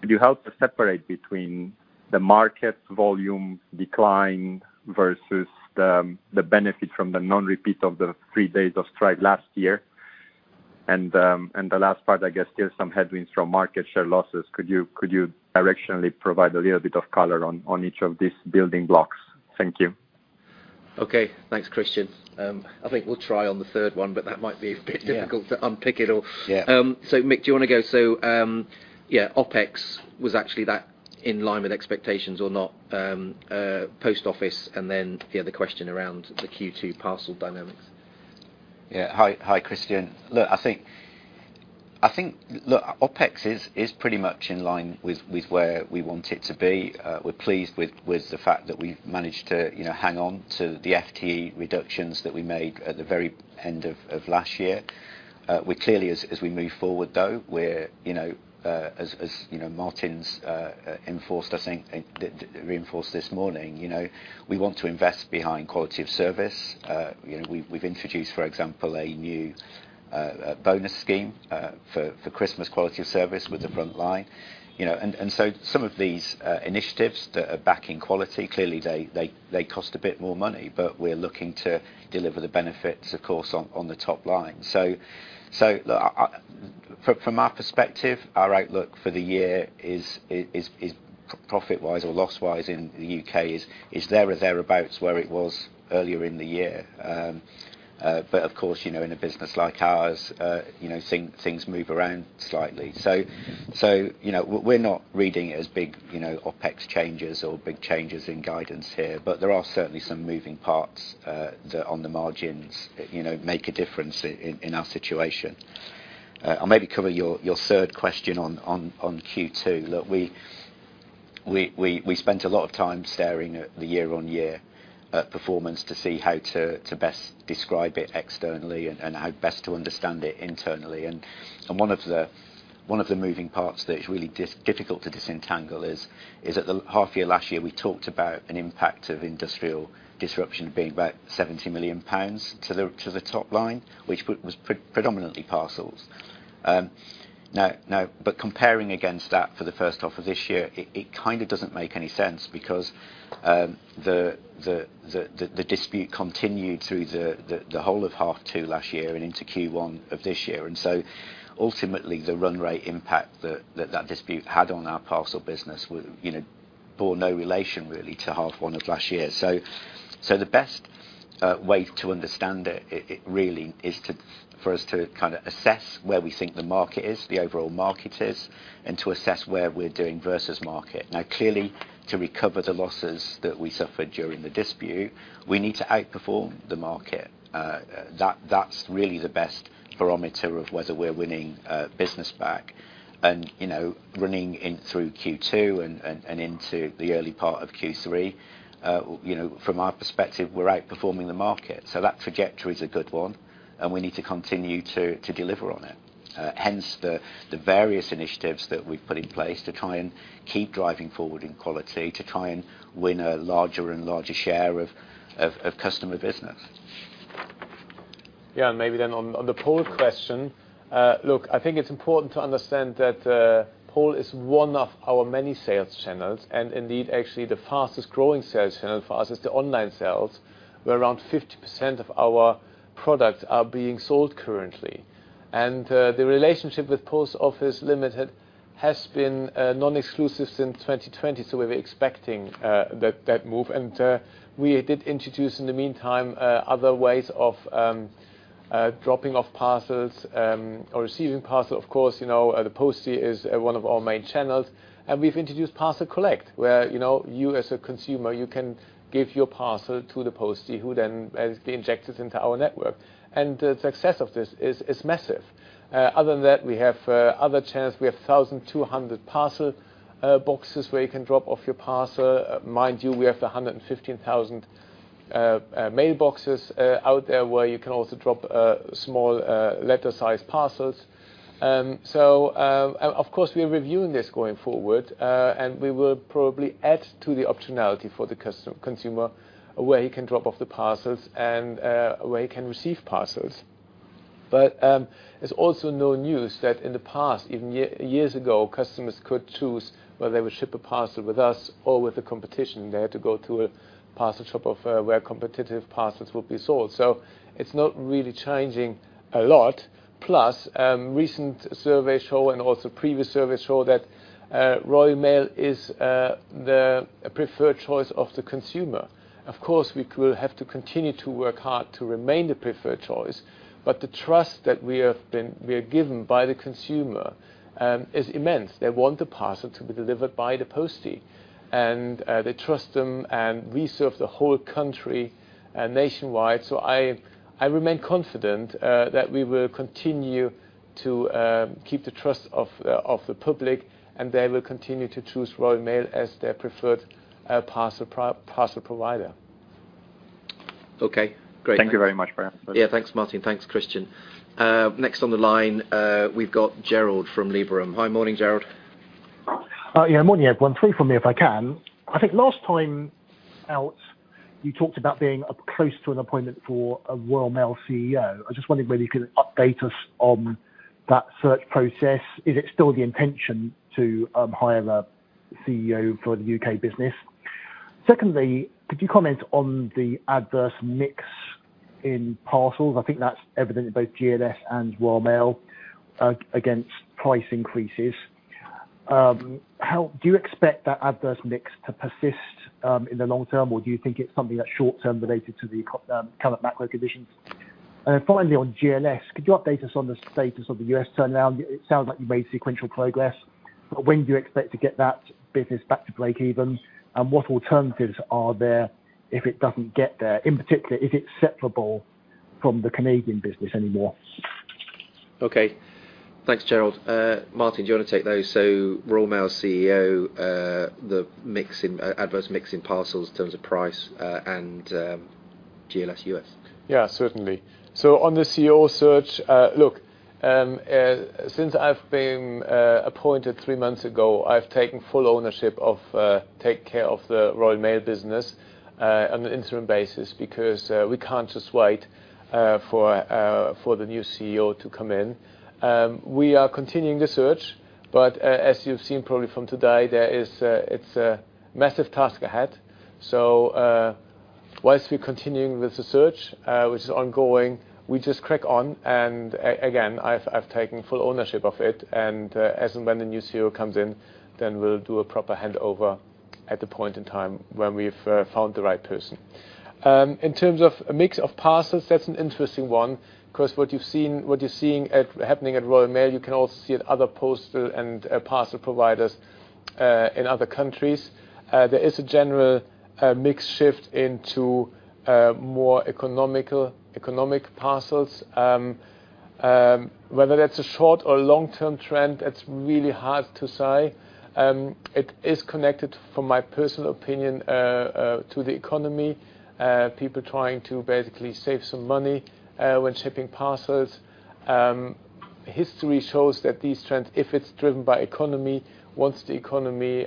Could you help to separate between the market volume decline versus the benefit from the non-repeat of the three days of strike last year? And the last part, I guess there's some headwinds from market share losses. Could you directionally provide a little bit of color on each of these building blocks? Thank you. Okay. Thanks, Christian. I think we'll try on the third one, but that might be a bit difficult to unpick it all. Yeah. So, Mick, do you wanna go? So, yeah, OpEx, was actually that in line with expectations or not? Post Office, and then the other question around the Q2 parcel dynamics. Yeah. Hi, Christian. Look, I think. Look, OpEx is pretty much in line with where we want it to be. We're pleased with the fact that we've managed to, you know, hang on to the FTE reductions that we made at the very end of last year. We clearly, as we move forward, though, we're, you know, as you know, Martin's enforced us, I think, reinforced this morning, you know, we want to invest behind quality of service. You know, we've introduced, for example, a new bonus scheme for Christmas quality of service with the front line. You know, and so some of these initiatives that are backing quality, clearly, they cost a bit more money, but we're looking to deliver the benefits, of course, on the top line. So, from our perspective, our outlook for the year is profit-wise or loss-wise in the UK, is there or thereabout where it was earlier in the year. But of course, you know, in a business like ours, you know, things move around slightly. So, you know, we're not reading it as big OpEx changes or big changes in guidance here, but there are certainly some moving parts that on the margins, you know, make a difference in our situation. I'll maybe cover your third question on Q2. Look, we spent a lot of time staring at the year-on-year performance to see how to best describe it externally and how best to understand it internally. And one of the moving parts that is really difficult to disentangle is that the half year last year, we talked about an impact of industrial disruption being about 70 million pounds to the top line, which was predominantly parcels. But comparing against that for the first half of this year, it kind of doesn't make any sense because the dispute continued through the whole of half two last year and into Q1 of this year. And so ultimately, the run rate impact that dispute had on our parcel business was, you know, bore no relation really to half one of last year. So the best way to understand it really is to for us to kind of assess where we think the market is, the overall market is, and to assess where we're doing versus market. Now, clearly, to recover the losses that we suffered during the dispute, we need to outperform the market. That's really the best barometer of whether we're winning business back. And you know, running in through Q2 and into the early part of Q3, you know, from our perspective, we're outperforming the market, so that trajectory is a good one, and we need to continue to deliver on it. Hence, the various initiatives that we've put in place to try and keep driving forward in quality, to try and win a larger and larger share of customer business. Yeah, and maybe then on the Post Office question. Look, I think it's important to understand that Post Office is one of our many sales channels, and indeed, actually, the fastest-growing sales channel for us is the online sales, where around 50% of our products are being sold currently. And the relationship with Post Office Limited has been non-exclusive since 2020, so we're expecting that move. And we did introduce, in the meantime, other ways of dropping off parcels or receiving parcel. Of course, you know, the postie is one of our main channels, and we've introduced Parcel Collect, where, you know, you, as a consumer, you can give your parcel to the postie, who then injects it into our network. And the success of this is massive. Other than that, we have other channels. We have 1,200 parcel boxes where you can drop off your parcel. Mind you, we have 115,000 mailboxes out there, where you can also drop small letter-sized parcels. So, of course, we're reviewing this going forward, and we will probably add to the optionality for the customer, where he can drop off the parcels and, where he can receive parcels. But, it's also no news that in the past, even years ago, customers could choose whether they would ship a parcel with us or with the competition. They had to go to a parcel shop of, where competitive parcels would be sold. So-... It's not really changing a lot. Plus, recent surveys show, and also previous surveys show, that Royal Mail is the preferred choice of the consumer. Of course, we will have to continue to work hard to remain the preferred choice, but the trust that we have been - we are given by the consumer is immense. They want the parcel to be delivered by the postie, and they trust them, and we serve the whole country and nationwide. So I remain confident that we will continue to keep the trust of the public, and they will continue to choose Royal Mail as their preferred parcel provider. Okay, great. Thank you very much for your answer. Yeah, thanks, Martin. Thanks, Christian. Next on the line, we've got Gerald from Liberum. Hi, morning, Gerald. Yeah, morning, everyone. Three from me, if I can. I think last time out, you talked about being close to an appointment for a Royal Mail CEO. I just wondered whether you could update us on that search process. Is it still the intention to hire a CEO for the U.K. business? Secondly, could you comment on the adverse mix in parcels? I think that's evident in both GLS and Royal Mail against price increases. Do you expect that adverse mix to persist in the long term, or do you think it's something that's short-term related to the economic current macro conditions? Then finally, on GLS, could you update us on the status of the U.S. turnaround? It sounds like you made sequential progress, but when do you expect to get that business back to breakeven, and what alternatives are there if it doesn't get there? In particular, is it separable from the Canadian business anymore? Okay. Thanks, Gerald. Martin, do you wanna take those? So Royal Mail's CEO, the mix in, adverse mix in parcels in terms of price, and GLS US. Yeah, certainly. So on the CEO search, since I've been appointed three months ago, I've taken full ownership of take care of the Royal Mail business on an interim basis because we can't just wait for the new CEO to come in. We are continuing the search, but as you've seen probably from today, there is. It's a massive task ahead. So, whilst we're continuing with the search, which is ongoing, we just crack on, and again, I've taken full ownership of it, and as and when the new CEO comes in, then we'll do a proper handover at the point in time when we've found the right person. In terms of a mix of parcels, that's an interesting one because what you're seeing at, happening at Royal Mail, you can also see at other postal and parcel providers in other countries. There is a general mix shift into more economical, economic parcels. Whether that's a short or long-term trend, it's really hard to say. It is connected, from my personal opinion, to the economy, people trying to basically save some money when shipping parcels. History shows that these trends, if it's driven by economy, once the economy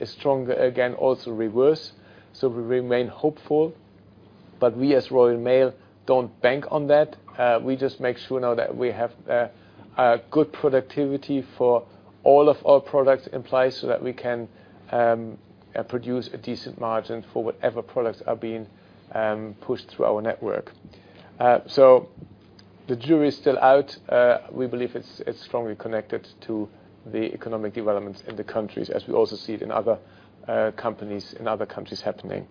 is stronger, again, also reverse. So we remain hopeful, but we, as Royal Mail, don't bank on that. We just make sure now that we have a good productivity for all of our products in place so that we can produce a decent margin for whatever products are being pushed through our network. So the jury is still out. We believe it's strongly connected to the economic developments in the countries, as we also see it in other companies, in other countries happening.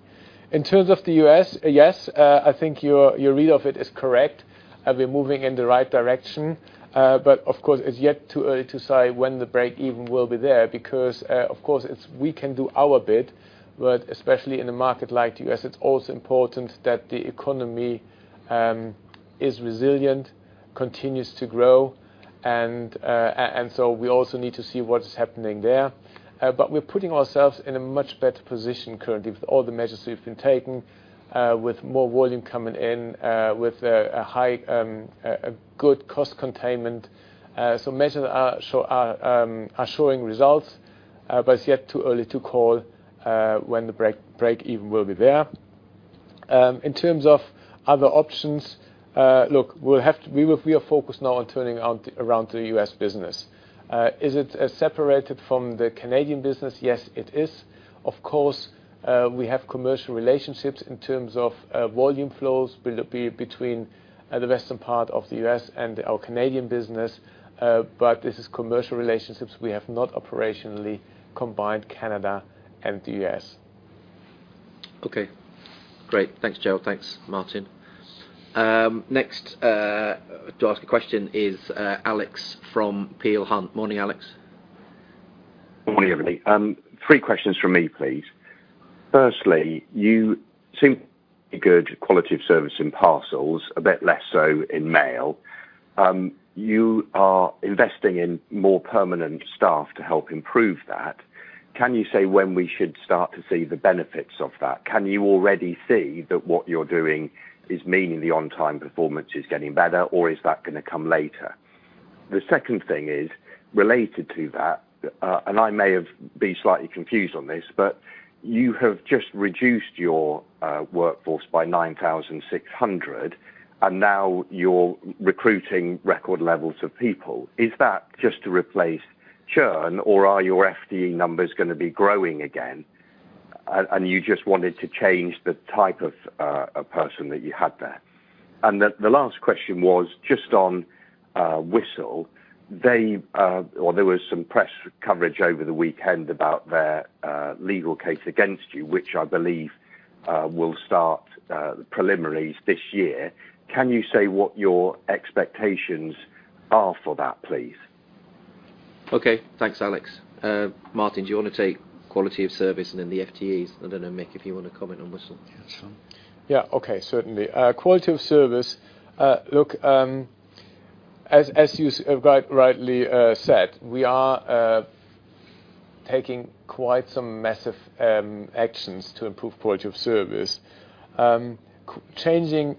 In terms of the U.S., yes, I think your read of it is correct, we're moving in the right direction. Of course, it's yet too early to say when the breakeven will be there because, of course, we can do our bit, but especially in a market like the U.S., it's also important that the economy is resilient, continues to grow, and so we also need to see what is happening there. But we're putting ourselves in a much better position currently with all the measures we've been taking, with more volume coming in, with a good cost containment. So measures are showing results, but it's yet too early to call when the breakeven will be there. In terms of other options, look, we'll have to... We are focused now on turning around the U.S. business. Is it separated from the Canadian business? Yes, it is. Of course, we have commercial relationships in terms of volume flows between the western part of the U.S. and our Canadian business, but this is commercial relationships. We have not operationally combined Canada and the U.S. Okay, great. Thanks, Gerald. Thanks, Martin. Next, to ask a question is Alex from Peel Hunt. Morning, Alex. Morning, everybody. Three questions from me, please. Firstly, you seem to be good quality of service in parcels, a bit less so in mail. You are investing in more permanent staff to help improve that. Can you say when we should start to see the benefits of that? Can you already see that what you're doing is meaning the on-time performance is getting better, or is that gonna come later? The second thing is, related to that, and I may have been slightly confused on this, but you have just reduced your workforce by 9,600, and now you're recruiting record levels of people. Is that just to replace churn, or are your FTE numbers gonna be growing again?... and, and you just wanted to change the type of a person that you had there? And the, the last question was just on Whistl. They, or there was some press coverage over the weekend about their legal case against you, which I believe will start the preliminaries this year. Can you say what your expectations are for that, please? Okay. Thanks, Alex. Martin, do you wanna take quality of service and then the FTEs? And then, Mick, if you want to comment on Whistl. Yeah, sure. Yeah. Okay, certainly. Quality of service, look, as you rightly said, we are taking quite some massive actions to improve quality of service. Changing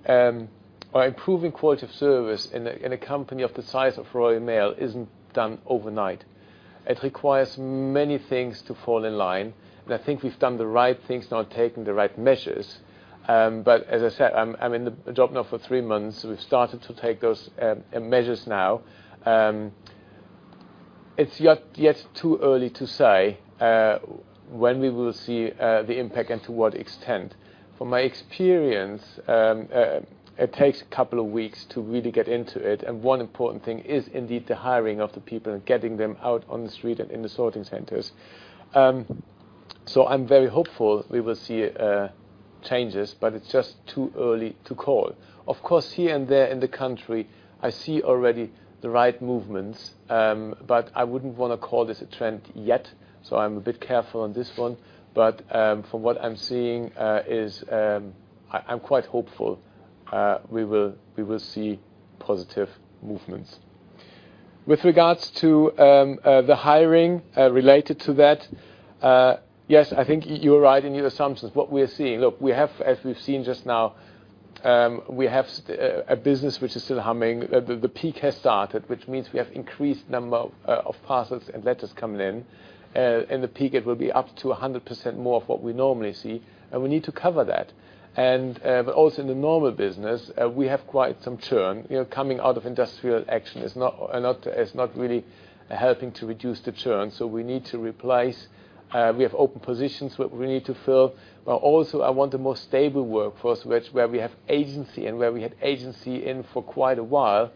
or improving quality of service in a company of the size of Royal Mail isn't done overnight. It requires many things to fall in line, and I think we've done the right things, now taking the right measures. But as I said, I'm in the job now for three months. We've started to take those measures now. It's yet too early to say when we will see the impact and to what extent. From my experience, it takes a couple of weeks to really get into it, and one important thing is indeed the hiring of the people and getting them out on the street and in the sorting centers. So I'm very hopeful we will see changes, but it's just too early to call. Of course, here and there in the country, I see already the right movements. But I wouldn't wanna call this a trend yet, so I'm a bit careful on this one. But from what I'm seeing, I'm quite hopeful we will see positive movements. With regards to the hiring related to that, yes, I think you're right in your assumptions. What we are seeing... Look, we have, as we've seen just now, we have a business which is still humming. The peak has started, which means we have increased number of parcels and letters coming in. And the peak, it will be up to 100% more of what we normally see, and we need to cover that. And, but also in the normal business, we have quite some churn. You know, coming out of industrial action is not really helping to reduce the churn, so we need to replace. We have open positions we need to fill, but also, I want a more stable workforce, which where we have agency and where we had agency in for quite a while.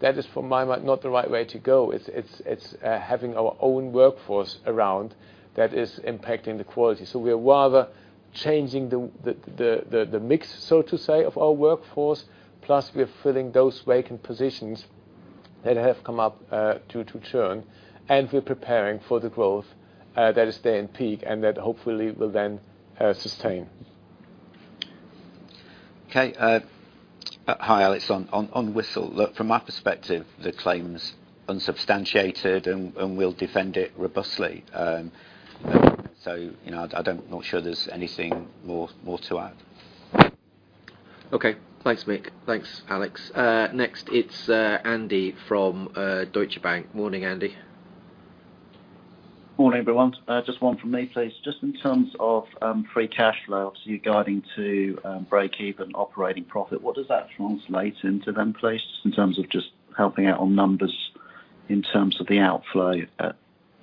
That is, from my mind, not the right way to go. It's having our own workforce around that is impacting the quality. So we are rather changing the mix, so to say, of our workforce, plus we are filling those vacant positions that have come up due to churn, and we're preparing for the growth that is there in peak and that hopefully will then sustain. Okay, hi, Alex. On Whistl, look, from my perspective, the claim's unsubstantiated, and we'll defend it robustly. So, you know, I don't... not sure there's anything more to add. Okay. Thanks, Mick. Thanks, Alex. Next, it's Andy from Deutsche Bank. Morning, Andy. Morning, everyone. Just one from me, please. Just in terms of free cash flows, you're guiding to breakeven operating profit. What does that translate into then, please, in terms of just helping out on numbers, in terms of the outflow at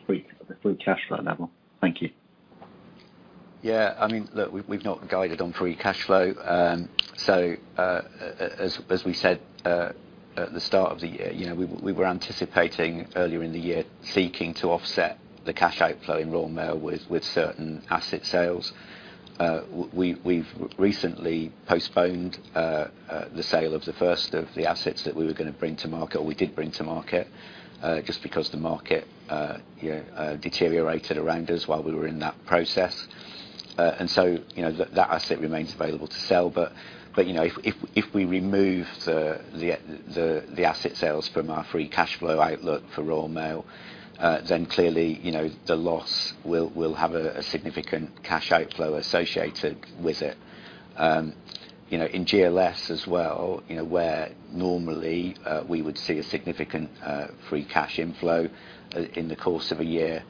the free cash flow level? Thank you. Yeah. I mean, look, we've, we've not guided on free cash flow. So, as, as we said, at the start of the year, you know, we were, we were anticipating earlier in the year, seeking to offset the cash outflow in Royal Mail with, with certain asset sales. We've, we've recently postponed, the sale of the first of the assets that we were gonna bring to market, or we did bring to market, just because the market, you know, deteriorated around us while we were in that process. And so, you know, that, that asset remains available to sell. But, you know, if we remove the asset sales from our free cash flow outlook for Royal Mail, then clearly, you know, the loss will have a significant cash outflow associated with it. You know, in GLS as well, you know, where normally we would see a significant free cash inflow in the course of a year,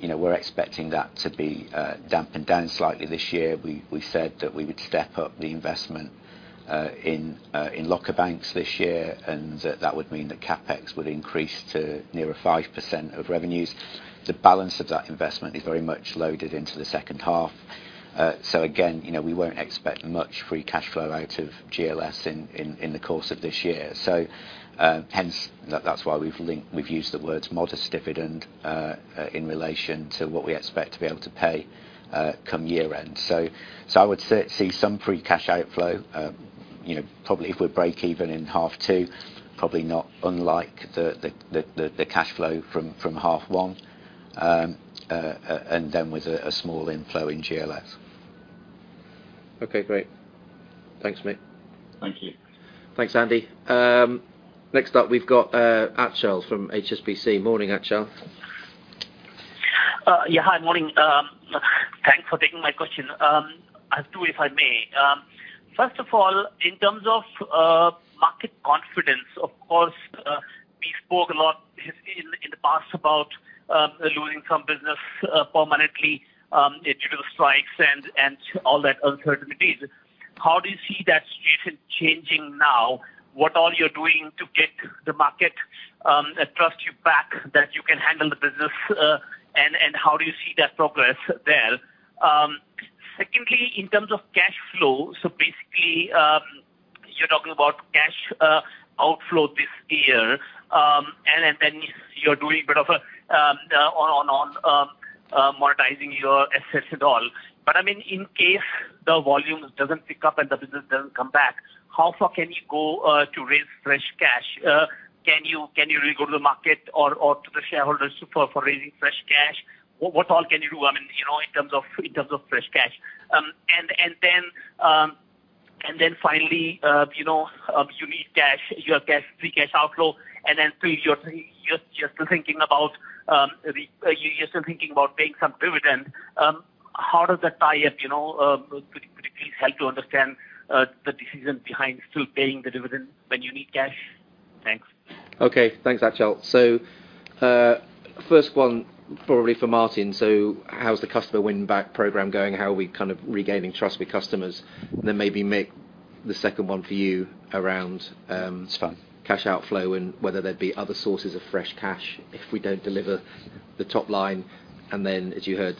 you know, we're expecting that to be dampened down slightly this year. We said that we would step up the investment in locker banks this year, and that would mean that CapEx would increase to nearer 5% of revenues. The balance of that investment is very much loaded into the second half. So again, you know, we won't expect much free cash flow out of GLS in the course of this year. So, hence, that's why we've used the words modest dividend in relation to what we expect to be able to pay come year-end. So I would see some free cash outflow, you know, probably if we break even in half two, probably not unlike the cash flow from half one, and then with a small inflow in GLS. Okay, great. Thanks, Mick. Thank you. Thanks, Andy. Next up, we've got, Achal from HSBC. Morning, Achal. Yeah, hi, morning. Thanks for taking my question. I have two, if I may. First of all, in terms of market confidence, of course, we spoke a lot in the past about losing some business permanently due to the strikes and all that uncertainties. How do you see that situation changing now? What all you're doing to get the market trust you back, that you can handle the business, and how do you see that progress there? Secondly, in terms of cash flow, so basically, you're talking about cash outflow this year. And then you're doing a bit of monetizing your assets at all. But I mean, in case the volumes doesn't pick up and the business doesn't come back, how far can you go to raise fresh cash? Can you re-go to the market or to the shareholders for raising fresh cash? What all can you do, I mean, you know, in terms of fresh cash? And then finally, you know, you need cash, you have cash, free cash outflow, and then still you're still thinking about paying some dividend. How does that tie up? You know, could you please help to understand the decision behind still paying the dividend when you need cash? Thanks. Okay. Thanks, Achal. So, first one probably for Martin: So how's the customer win back program going? How are we kind of regaining trust with customers? And then maybe, Mick, the second one for you around, It's fine... cash outflow and whether there'd be other sources of fresh cash if we don't deliver the top line. And then, as you heard-